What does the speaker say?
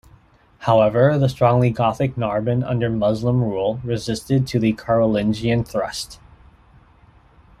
However, the strongly Gothic Narbonne under Muslim rule resisted to the Carolingian thrust.